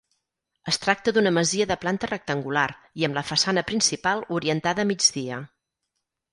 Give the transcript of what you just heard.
Es tracta d'una masia de planta rectangular i amb la façana principal orientada a migdia.